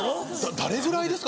誰ぐらいですか？